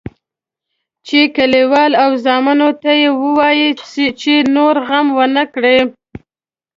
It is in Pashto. چې کلیوال او زامنو ته یې ووایي چې نور غم ونه کړي.